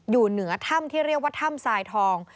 อยู่เหนือถ้ำที่เรียกว่าถ้ำทรายทอง